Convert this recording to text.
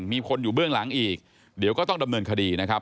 มีคนอยู่เบื้องหลังอีกเดี๋ยวก็ต้องดำเนินคดีนะครับ